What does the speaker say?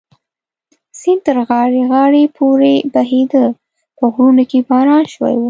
سیند تر غاړې غاړې پورې بهېده، په غرونو کې باران شوی و.